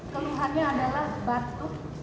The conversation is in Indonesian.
keluhannya adalah batuk